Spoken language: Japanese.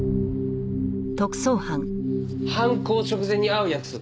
犯行直前に会う約束。